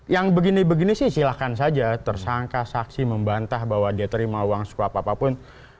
yang begini begini sih silahkan saja tersangka saksi membantah bahwa dia terima uang suka apa apa pun